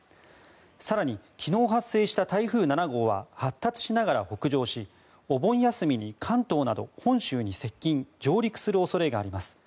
更に、昨日発生した台風７号は発達しながら北上しお盆休みに関東など本州に接近・上陸する恐れがあります。